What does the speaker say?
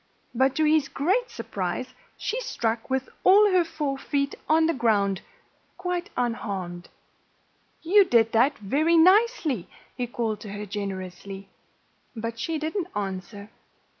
But to his great surprise she struck with all her four feet on the ground, quite unharmed. "You did that very nicely," he called to her generously. But she didn't answer.